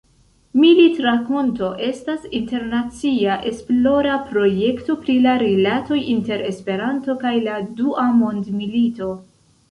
Militrakonto estas internacia esplora projekto pri la rilatoj inter Esperanto kaj la Dua Mondmilito.